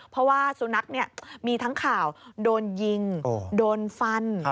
เพราะว่าสุนัขมีทั้งข่าวโดนยิงโดนฟัน